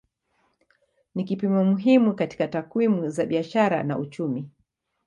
Ni kipimo muhimu katika takwimu za biashara na uchumi.